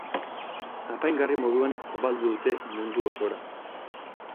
Apaingarri moduan zabaldu dute mundu osora.